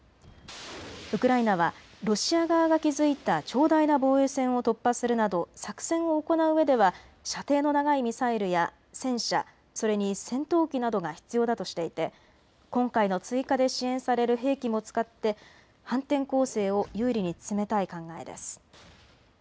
ウクライナはロシア側が築いた長大な防衛線を突破するなど作戦を行ううえでは射程の長いミサイルや戦車、それに戦闘機などが必要だとしていて今回の追加で支援される兵器も使って反転攻勢を有利に進めたい考えです。